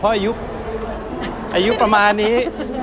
เพราะอายุประมาณนี้